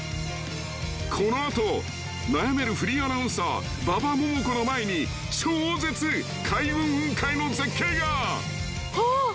［この後悩めるフリーアナウンサー馬場ももこの前に超絶開運雲海の絶景が］あっ。